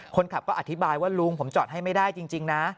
คนขับก็อธิบายว่าลุงผมจอดให้ไม่ได้จริงนะ